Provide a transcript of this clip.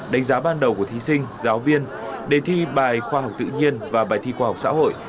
đánh giá ban đầu của thí sinh giáo viên đề thi bài khoa học tự nhiên và bài thi khoa học xã hội